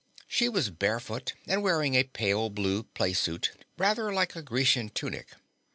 She was barefoot and wearing a pale blue playsuit rather like a Grecian tunic.